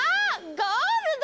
ゴールド！